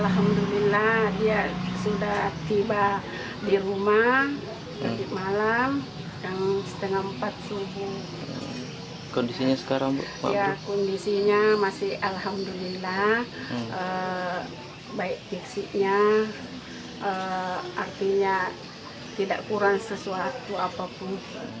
kondisinya masih alhamdulillah baik visinya artinya tidak kurang sesuatu apapun